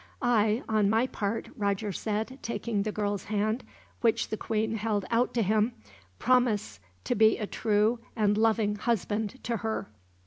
"I, on my part," Roger said, taking the girl's hand, which the queen held out to him, "promise to be a true and loving husband to her."